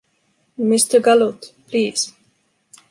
Mr. Galut, please.